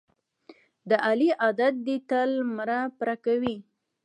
د علي عادت دی تل مړه پړه کوي.